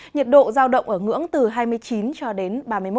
nhiệt độ giao động ở ngưỡng từ hai mươi chín ba mươi một độ